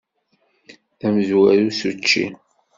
D amezwaru s učči!